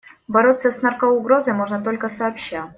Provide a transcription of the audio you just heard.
Бороться с наркоугрозой можно только сообща.